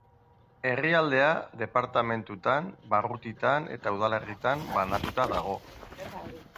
Herrialdea departamendutan, barrutitan eta udalerritan banatuta dago.